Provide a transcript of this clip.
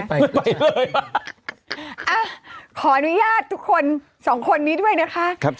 ขออนุญาตทุกคนสองคนนี้ด้วยนะคะ